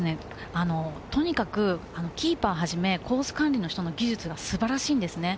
とにかくキーパーはじめ、コース管理の人の技術が素晴らしいんですね。